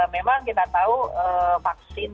memang kita tahu vaksin